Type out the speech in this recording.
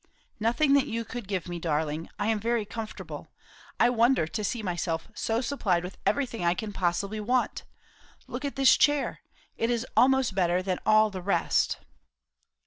"Nothing that you could give me, darling. I am very comfortable. I wonder to see myself so supplied with everything I can possibly want. Look at this chair! It is almost better than all the rest."